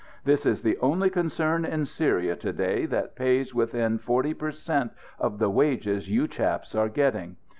This is the only concern in Syria to day that pays within forty per cent, of the wages you chaps are getting.